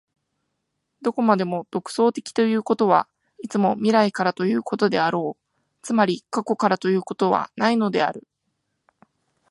どこまでも創造的ということは、いつも未来からということであろう、つまり過去からということはないのである。